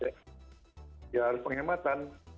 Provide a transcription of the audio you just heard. ya dari penghematan